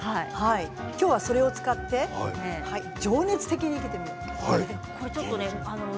きょうはそれを使って情念的に生けてみたいと思います。